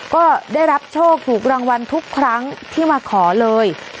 ก็ได้รับโชคถูกรางวัลทุกครั้งที่มาขอเลย